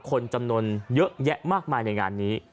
คนจำนวนเยอะแยะมากมายในงานนี้